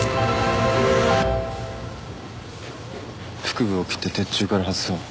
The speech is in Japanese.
腹部を切って鉄柱から外そう。